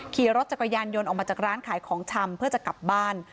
ขี่รถจักรยานยนต์ออกมาจากร้านขายของชำเพื่อจะกลับบ้าน